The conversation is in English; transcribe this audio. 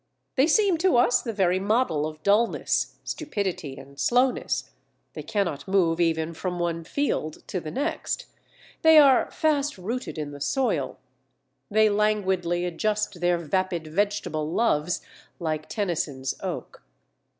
They seem to us the very model of dullness, stupidity, and slowness; they cannot move even from one field to the next; they are "fast rooted in the soil"; "they languidly adjust their vapid vegetable loves" like Tennyson's Oak.